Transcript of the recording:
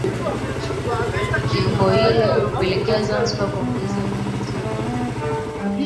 Jambo hilo hupelekea Zanzibar kuongeza vivutio vya utalii